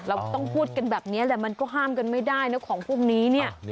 เราต้องพูดกันแบบนี้แหละมันก็ห้ามกันไม่ได้นะของพวกนี้เนี่ย